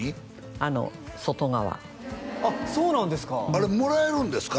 あの外側あっそうなんですかあれもらえるんですか？